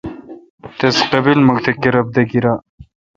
تس قبیمکھ تہ کرب دہ گیرال۔